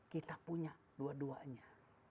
kita punya dua duanya